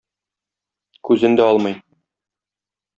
Күзен дә алмый.